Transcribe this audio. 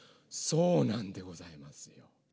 そうなんでございます。